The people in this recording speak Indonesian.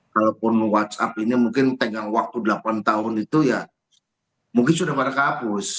kalaupun whatsapp ini mungkin tegang waktu delapan tahun itu ya mungkin sudah pada kapus